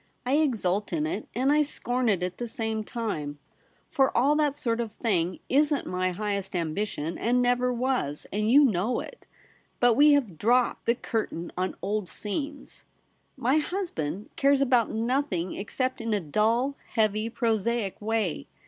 I exult in it, and I scorn it at the same time ; for all that sort of thing isn't my highest am bition, and never was, and you know it. But we have dropped the curtain on old scenes, 'WHO SHALL SEPARATE US?' 59 My husband cares about nothing except in a dull, heavy, prosaic way.